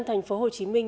thành phố hồ chí minh